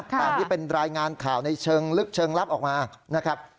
ตามที่เป็นรายงานข่าวในเชิงลึกเชิงลับออกมานะครับ